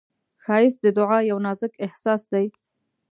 ښایست د دعا یو نازک احساس دی